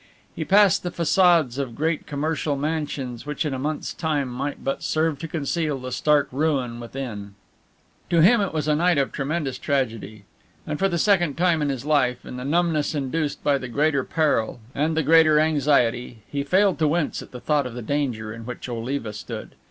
He passed the façades of great commercial mansions which in a month's time might but serve to conceal the stark ruin within. To him it was a night of tremendous tragedy, and for the second time in his life in the numbness induced by the greater peril and the greater anxiety he failed to wince at the thought of the danger in which Oliva stood.